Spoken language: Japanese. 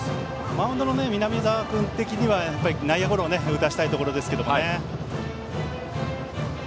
マウンドの南澤君的には内野ゴロを打たせたいところです。